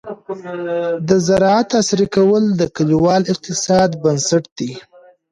د زراعت عصري کول د کليوال اقتصاد بنسټ دی.